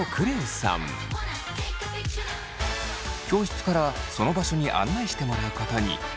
教室からその場所に案内してもらうことに。